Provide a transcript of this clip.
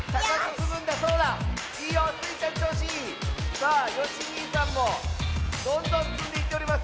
さあよしにいさんもどんどんつんでいっております！